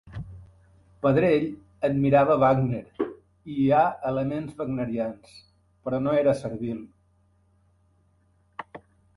Pedrell admirava Wagner i hi ha elements wagnerians, però no era servil.